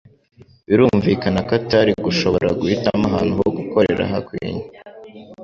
Birumvikana ko atari gushobora guhitamo ahantu ho gukorera hakwinye.